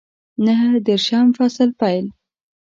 د نهه دېرشم فصل پیل